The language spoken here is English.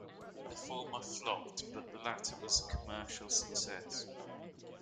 The former flopped, but the latter was a commercial success.